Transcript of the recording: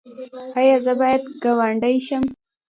ایا زه باید ګاونډی شم؟